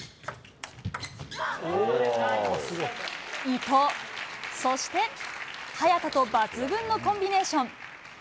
伊藤、そして早田と、抜群のコンビネーション。